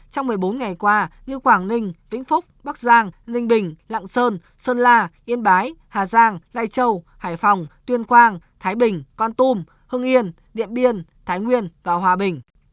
trong một mươi bốn ngày qua như quảng ninh vĩnh phúc bắc giang ninh bình lạng sơn sơn la yên bái hà giang lai châu hải phòng tuyên quang thái bình con tum hưng yên điện biên thái nguyên và hòa bình